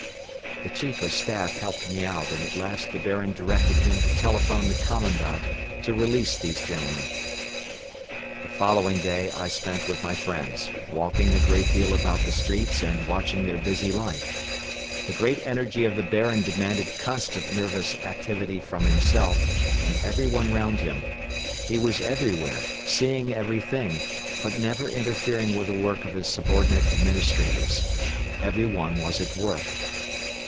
The Chief of Staff helped me out and at last the Baron directed him to telephone the Commandant to release these gentlemen. The following day I spent with my friends, walking a great deal about the streets and watching their busy life. The great energy of the Baron demanded constant nervous activity from himself and every one round him. He was everywhere, seeing everything but never, interfering with the work of his subordinate administrators. Every one was at work.